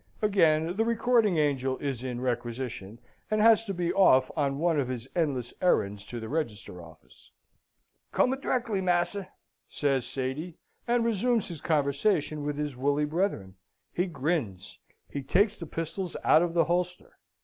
(Again the recording angel is in requisition, and has to be off on one of his endless errands to the register office.) "Come directly, mas'r," says Sady, and resumes his conversation with his woolly brethren. He grins. He takes the pistols out of the holster.